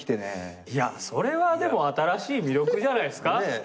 いやそれはでも新しい魅力じゃないですか。